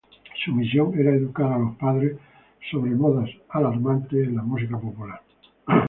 Su misión era educar a los padres sobre "modas alarmantes" en la música popular.